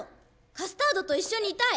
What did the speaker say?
カスタードと一緒にいたい！